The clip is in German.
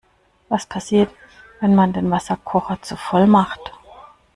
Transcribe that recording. Was passiert, wenn man den Wasserkocher zu voll macht?